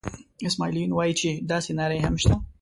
اسماعیل یون وایي داسې نارې هم شته.